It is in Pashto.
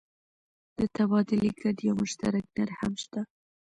د تبادلې ګډ یا مشترک نرخ هم شته.